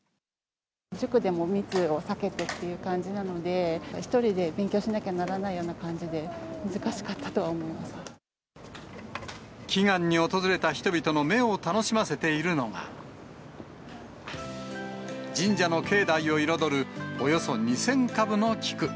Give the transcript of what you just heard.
塾でも密を避けてという感じなので、１人で勉強しなきゃならないような感じで、難しかったとは思いま祈願に訪れた人々の目を楽しませているのが、神社の境内を彩る、およそ２０００株の菊。